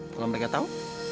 kalo mereka tau